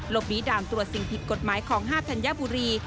บีด่ามตรวจสิ่งผิดกฎหมายของ๕ธัญบุรี